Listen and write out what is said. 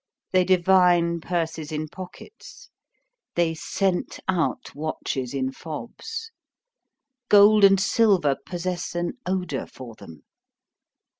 They divine purses in pockets, they scent out watches in fobs. Gold and silver possess an odor for them.